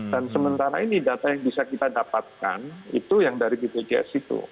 dan sementara ini data yang bisa kita dapatkan itu yang dari bpjs itu